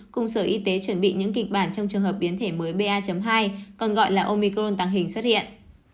cùng sở y tế chuẩn bị những kịch bản trong trường hợp biến thể mới ba hai còn gọi là omicron tăng hình xuất hiện